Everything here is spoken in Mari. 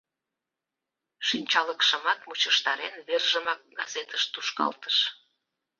Шинчалыкшымат мучыштарен, вержымак газетыш тушкалтыш.